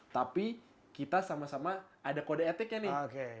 tapi kita sama sama ada kode etiknya nih